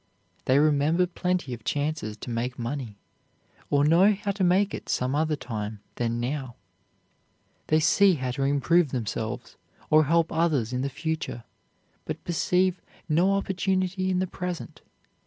They remember plenty of chances to make money, or know how to make it some other time than now; they see how to improve themselves or help others in the future, but perceive no opportunity in the present.